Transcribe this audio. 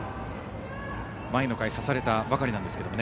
前の回刺されたばかりなんですが。